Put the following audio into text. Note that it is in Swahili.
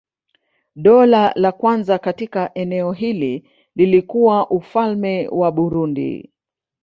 Dola la kwanza katika eneo hili lilikuwa Ufalme wa Burundi.